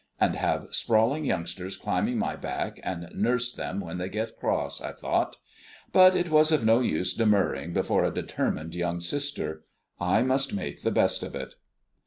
And have sprawling youngsters climbing my back, and nurse them when they get cross, I thought. But it was of no use demurring before a determined young sister. I must make the best of it.